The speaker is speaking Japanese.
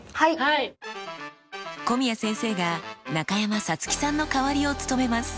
古宮先生が中山咲月さんの代わりを務めます。